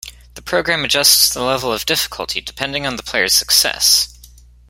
The program adjusts the level of difficulty, depending on the player's success.